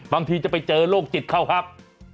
บางทีจะไปเจอโลกจิตเข้าครับ